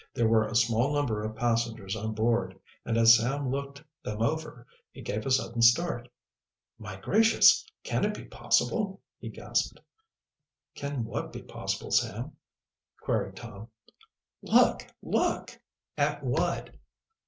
There were a small number of passengers on board, and as Sam looked them over he gave a sudden start. "My gracious, can it be possible!" he gasped. "Can what be possible, Sam?" queried Tom. "Look! look!" "At what?"